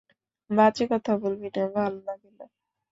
বাজে কথা বলবি না, ভাল্লাগে না।